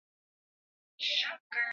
Acha vya dunia ndugu.